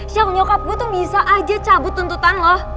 michelle nyokap gue tuh bisa aja cabut tuntutan lo